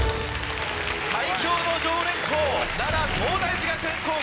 最強の常連校奈良東大寺学園高校。